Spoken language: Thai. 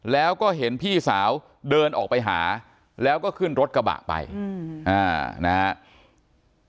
แล้วก็เห็นพี่สาวเดินออกไปหาแล้วก็ขึ้นรถกระบะไปนะครับ